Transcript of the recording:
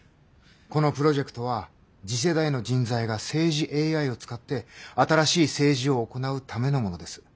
このプロジェクトは次世代の人材が政治ＡＩを使って新しい政治を行うためのものです。